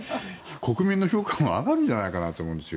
国民の評価も上がるんじゃないかなと思います。